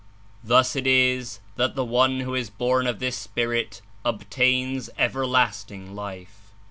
Thus It Is that the one who Is born of this Spirit obtains everlasting Life.